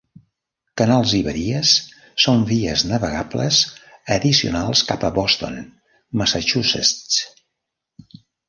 Canals i badies són vies navegables addicionals cap a Boston, Massachusetts.